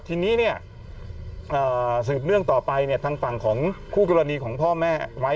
ทีนี้เนี่ยสืบเนื่องต่อไปทางฝั่งของคู่กรณีของพ่อแม่ไว้